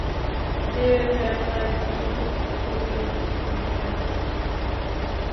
যে যায় তার কি করি আমি, তুমি জানো।